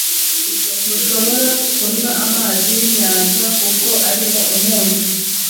Ntushobora kunywa amazi yinyanja kuko arimo umunyu.